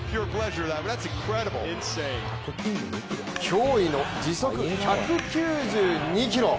驚異の時速１９２キロ。